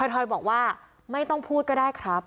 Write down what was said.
ถอยบอกว่าไม่ต้องพูดก็ได้ครับ